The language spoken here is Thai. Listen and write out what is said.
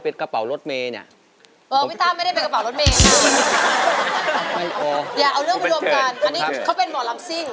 พี่ข่าของน้อง